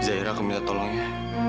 zaira aku minta tolong ya